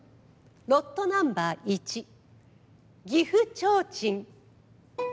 ロットナンバー１岐阜提灯。